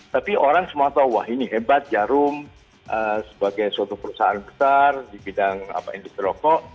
tapi orang semua tahu wah ini hebat jarum sebagai suatu perusahaan besar di bidang industri rokok